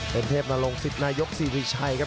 เป็นเทพนรงสิทธินายกซีรีชัยครับ